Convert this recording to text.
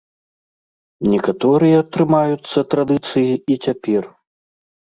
Некаторыя трымаюцца традыцыі і цяпер.